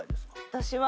私は。